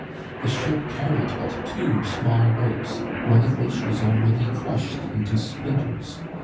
The ship carried but two small boats, one of which was already crushed into splinters.